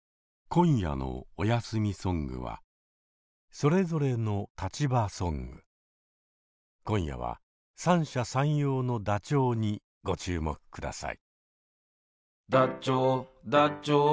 今夜の「おやすみソング」は今夜は三者三様のダチョウにご注目ください。